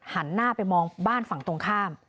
หันหน้าไปมองบ้านฝั่งตรงข้าม